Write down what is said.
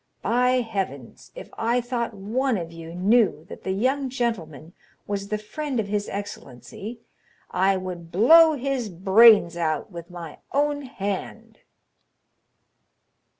By heavens! if I thought one of you knew that the young gentleman was the friend of his excellency, I would blow his brains out with my own hand!"